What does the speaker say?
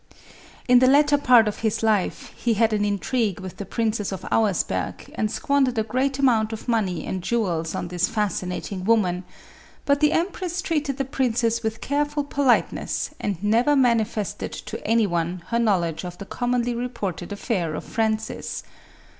In the latter part of his life he had an intrigue with the Princess of Auersberg, and squandered a great amount of money and jewels on this fascinating woman ; but the empress treated the princess with careful politeness, MARIA THERESA. 205 and never manifested to any one her knowledge of the commonly reported affair of Francis.